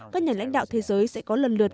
các nhà lãnh đạo thế giới sẽ có lần lượt